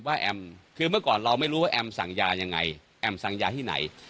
แอมคือเมื่อก่อนเราไม่รู้ว่าแอมสั่งยายังไงแอมสั่งยาที่ไหน